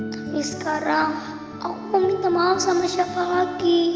tapi sekarang aku mau minta maaf sama siapa lagi